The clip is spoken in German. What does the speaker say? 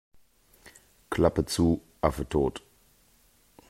Klappe zu, Affe tot.